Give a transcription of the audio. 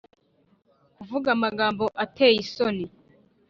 Kuvuga amagambo ateye isoni